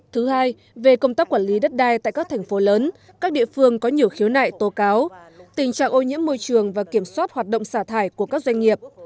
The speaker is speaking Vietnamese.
thứ hai về công tác quản lý đất đai tại các thành phố lớn các địa phương có nhiều khiếu nại tố cáo tình trạng ô nhiễm môi trường và kiểm soát hoạt động xả thải của các doanh nghiệp